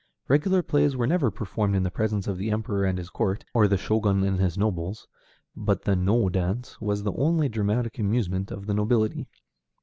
Regular plays were never performed in the presence of the Emperor and his court, or the Shōgun and his nobles, but the No dance was the only dramatic amusement of the nobility.